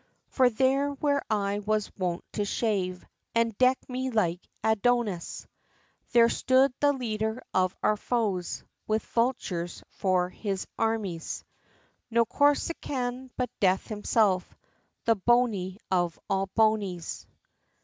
XIII. For there, where I was wont to shave, And deck me like Adonis, There stood the leader of our foes, With vultures for his armies No Corsican, but Death himself, The Bony of all Bonies.